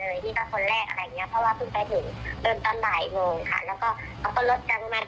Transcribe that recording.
หรือว่า๓๐๐๐๐หรือว่า๓๕๐๐๐แล้วก็บอกเราไปในนี่นั่นว่าไม่มีไม่มีจะให้ทำยังไงอะไรอย่างเนี้ย